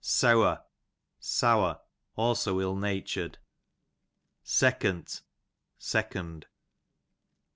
Seawr, sour; also ill rmtur'd. Secont, second.